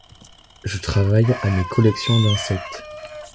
Je travaille à mes collections d'insectes.